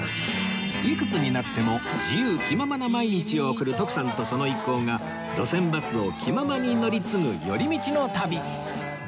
いくつになっても自由気ままな毎日を送る徳さんとその一行が路線バスを気ままに乗り継ぐ寄り道の旅